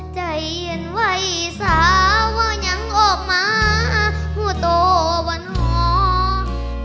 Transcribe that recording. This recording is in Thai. ใจเย็นไว้สาวยังอบม้าหัวโตวันห่อ